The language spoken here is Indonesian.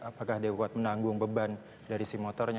apakah dia kuat menanggung beban dari si motornya